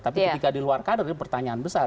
tapi ketika di luar kader pertanyaan besar